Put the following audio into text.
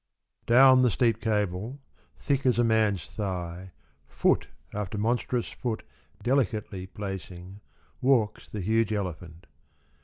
Down the steep cable, thick as a man's thigh, Foot after monstrous foot delicately placing, Walks the huge elephant.